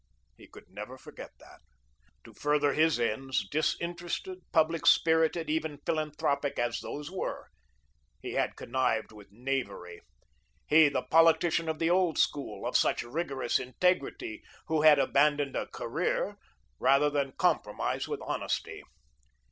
He could never forget that. To further his ends, disinterested, public spirited, even philanthropic as those were, he had connived with knavery, he, the politician of the old school, of such rigorous integrity, who had abandoned a "career" rather than compromise with honesty.